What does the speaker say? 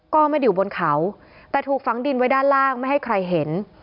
ก็ไม่ได้อยู่บนเขาแต่ถูกฝังดินไว้ด้านล่างไม่ให้ใครเห็น